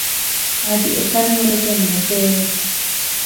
އަދި އެކަނި ހުރެގެން ނެށޭވެސް